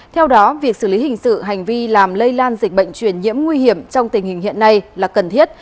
theo đó việc xử lý hình sự hành vi làm lây lan dịch bệnh truyền nhiễm nguy hiểm trong tình hình hiện nay là cần thiết